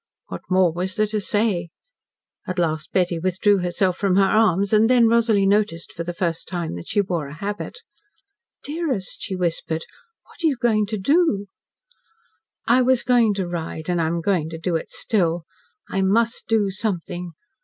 What more was there to say? At last Betty withdrew herself from her arms, and then Rosalie noticed for the first time that she wore the habit. "Dearest," she whispered, "what are you going to do?" "I was going to ride, and I am going to do it still. I must do something.